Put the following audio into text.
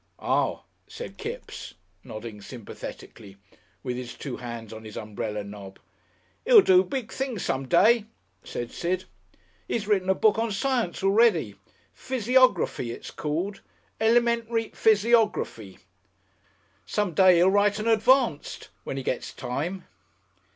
"Ah!" said Kipps, nodding sympathetically, with his two hands on his umbrella knob. "He'll do big things some day," said Sid. "He's written a book on science already. 'Physiography,' it's called. 'Elementary Physiography'! Some day he'll write an Advanced when he gets time."